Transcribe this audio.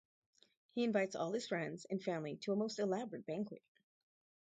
He invites all his friends and family to a most elaborate banquet.